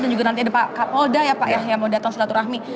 dan juga nanti ada pak kapolda ya pak ya yang mau datang selatuh rahmi